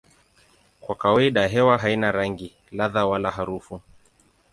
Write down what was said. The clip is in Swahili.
Kwa kawaida hewa haina rangi, ladha wala harufu.